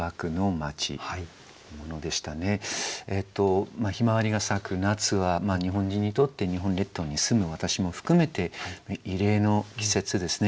向日葵が咲く夏は日本人にとって日本列島に住む私も含めて慰霊の季節ですね。